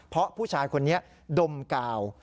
เพราะผู้ชายคนนี้ดมกาว